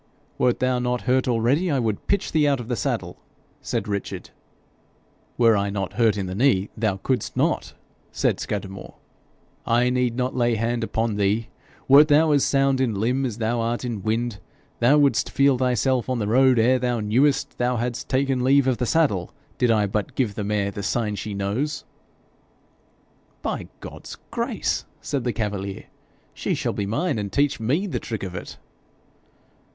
'Wert thou not hurt already, I would pitch thee out of the saddle,' said Richard. 'Were I not hurt in the knee, thou couldst not,' said Scudamore. 'I need not lay hand upon thee. Wert thou as sound in limb as thou art in wind, thou wouldst feel thyself on the road ere thou knewest thou hadst taken leave of the saddle did I but give the mare the sign she knows.' 'By God's grace,' said the cavalier, 'she shall be mine, and teach me the trick of it.'